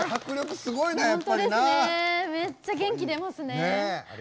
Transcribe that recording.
めっちゃ元気出ますね。